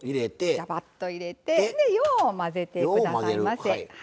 ザバッと入れてよう混ぜてくださいませ。